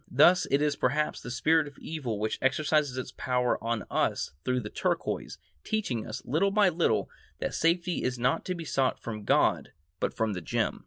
Thus it is perhaps the spirit of evil which exercises its power on us through the turquoise, teaching us, little by little, that safety is not to be sought from God but from a gem.